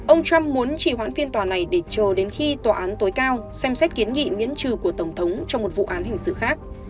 ông trump muốn chỉ hoãn phiên tòa này để chờ đến khi tòa án tối cao xem xét kiến nghị miễn trừ của tổng thống trong một vụ án hình sự khác